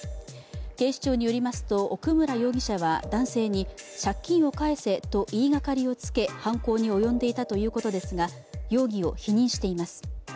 警視庁によりますと、奥村容疑者は男性に借金を返せと言いがかりをつけ犯行に及んでいたということですが容疑を否認しています。